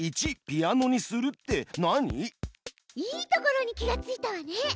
いいところに気がついたわね。